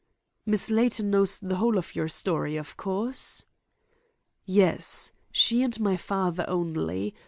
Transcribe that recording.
"Miss Layton knows the whole of your story, of course?" "Yes; she and my father only.